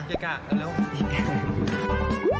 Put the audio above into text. เกะเกะเอาเร็ว